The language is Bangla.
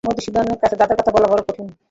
মধুসূদনের কাছে দাদার কথা বলা বড়ো কঠিন।